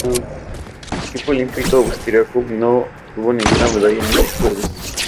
El equipo olímpico austríaco no obtuvo ninguna medalla en estos Juegos.